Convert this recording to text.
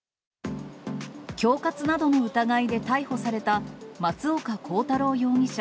恐喝などの疑いで逮捕された松岡洸太郎容疑者